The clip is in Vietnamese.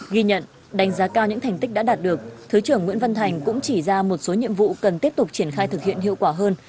ghi nhận đánh giá cao những thành tích đã đạt được thứ trưởng nguyễn văn thành cũng chỉ ra một số nhiệm vụ cần tiếp tục triển khai thực hiện hiệu quả hơn